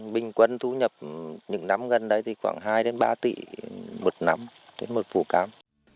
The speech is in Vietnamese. bình quân thu nhập những năm gần đây thì khoảng hai ba tỷ một năm một vụ cám